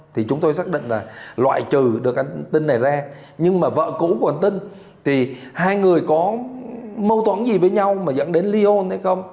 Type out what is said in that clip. thì chúng tôi xác định là loại trừ được anh tinh này ra nhưng mà vợ cũ của anh tinh thì hai người có mâu thuẫn gì với nhau mà dẫn đến lyon hay không